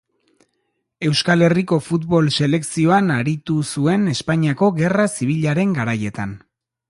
Euskal Herriko futbol selekzioan aritu zuen Espainiako Gerra Zibilaren garaietan.